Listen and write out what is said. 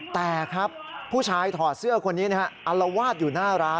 แต่ครับผู้ชายถอดเสื้อคนนี้นะฮะอัลวาดอยู่หน้าร้าน